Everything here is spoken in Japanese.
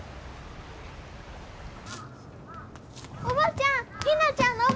おばちゃん！